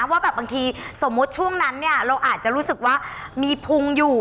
ว่าแบบบางทีสมมุติช่วงนั้นเราอาจจะรู้สึกว่ามีพุงอยู่